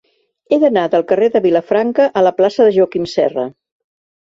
He d'anar del carrer de Vilafranca a la plaça de Joaquim Serra.